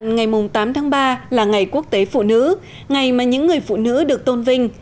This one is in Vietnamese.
ngày tám tháng ba là ngày quốc tế phụ nữ ngày mà những người phụ nữ được tôn vinh